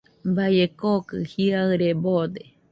Baie kokɨ jiaɨre boode.